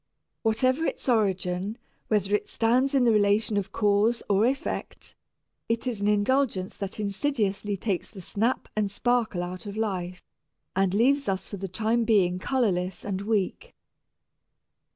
Whatever its origin, whether it stands in the relation of cause or effect, it is an indulgence that insidiously takes the snap and sparkle out of life and leaves us for the time being colorless and weak.